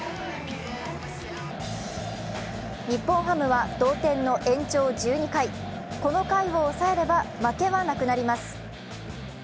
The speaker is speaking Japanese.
日本ハムは同点の延長１２回、この回を抑えれば負けはなくなります。